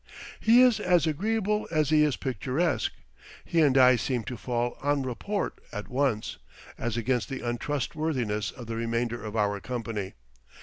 He is as agreeable as he is picturesque; he and I seem to fall en rapport at once, as against the untrustworthiness of the remainder of our company.